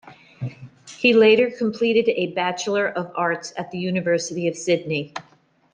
He later completed a Bachelor of Arts at The University of Sydney.